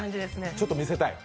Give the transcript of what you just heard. ちょっと見せたい？